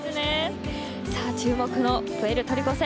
注目のプエルトリコ戦。